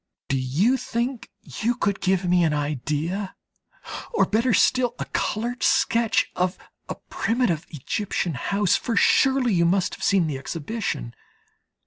Do you think you could give me an idea, or better still, a coloured sketch of a primitive Egyptian house, for you surely must have seen the exhibition.